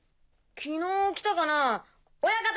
昨日来たかな親方